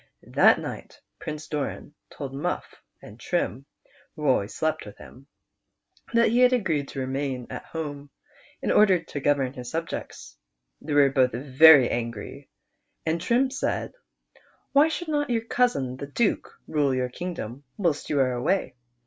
That night Prince Doran told Muff and Trim, who rKLVCE DOR.iy. 149 always slept wiili him, that he had a^^recd to remain at home, in order to govern his subjects. Tiicy were both ^ ver\ angry, and Trim said, " Why should not your cousin the Duke rule your kingdom whilst you are away